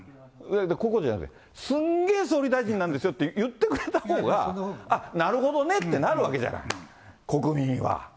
こういうことじゃなくて、すんげぇ総理大臣なんですよって言ってくれたほうが、あっ、なるほどねってなるわけじゃない、国民は。